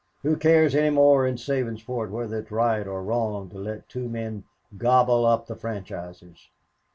Who cares any more in Sabinsport whether it's right or wrong to let two men gobble up the franchises?